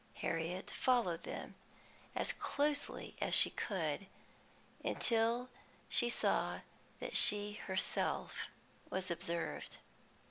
Harriet followed them as closely as she could, until she saw that she herself was observed.